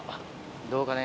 どうかね？